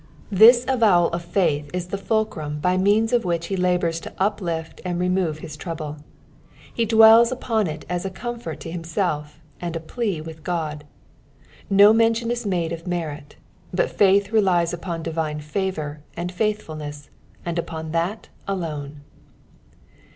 Thia btowhI of faitli is the fulcnim bj means of which be iKboUTB to uplift and reinorQ bis trouble ; be dwells upon it as a comfort to him Klt and a pLea with Qod. No mention is made of merit, but faith relies upoa divine favour and faithfulaess, and upon that alone.